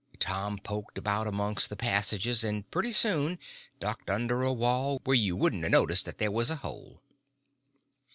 Tom poked about amongst the passages, and pretty soon ducked under a wall where you wouldn't a noticed that there was a hole.